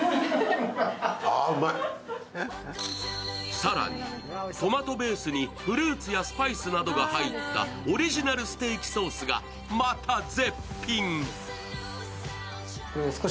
更にトマトベースにフルーツやスパイスなど入ったオリジナルステーキソースがまた絶品。